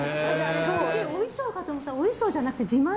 お衣装かと思ったらお衣装じゃなくて、自前？